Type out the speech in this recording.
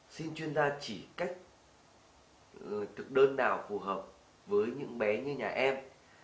xin chuyên gia chỉ cách thực đơn nào phù hợp với những bé như nhà em